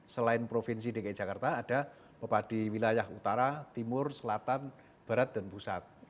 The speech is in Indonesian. selain provinsi dki jakarta ada pepadi wilayah utara timur selatan barat dan pusat